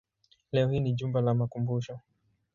Leo hii ni jumba la makumbusho.